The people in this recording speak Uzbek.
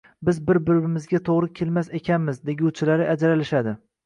Biz bir birimizga to`g`ri kelmas ekanmiz deguvchilari ajralishadi